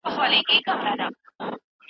د ده په کلام کې د هغه وخت احساسات نغښتي دي.